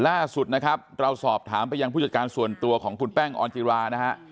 ล่าสุดนะครับเราสอบถามไปยังผู้จัดการส่วนตัวของคุณแป้งออนจิรานะฮะ